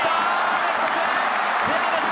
レフト線、フェアです。